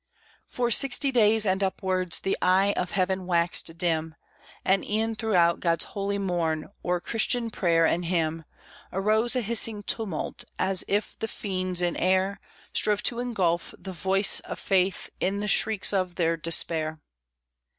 For sixty days and upwards, The eye of heaven waxed dim; And e'en throughout God's holy morn, O'er Christian prayer and hymn, Arose a hissing tumult, As if the fiends in air Strove to engulf the voice of faith In the shrieks of their despair.